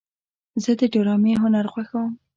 زه د ډرامې هنر خوښوم.